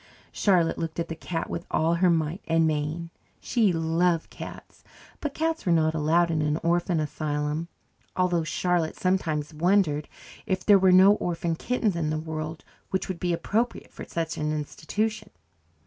Charlotte looked at the cat with all her might and main. She loved cats, but cats were not allowed in an orphan asylum, although Charlotte sometimes wondered if there were no orphan kittens in the world which would be appropriate for such an institution.